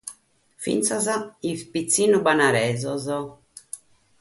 Finas sos pitzinnos banaresos.